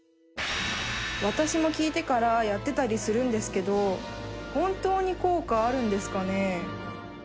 私も聞いてからやってたりするんですけど本当に効果あるんですかね？